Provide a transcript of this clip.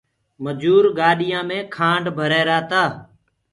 مجوٚر کآنڊ گاڏيآنٚ مي ڀر رهيرآ تآ۔